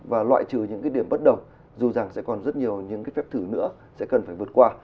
và loại trừ những cái điểm bất đầu dù rằng sẽ còn rất nhiều những cái phép thử nữa sẽ cần phải vượt qua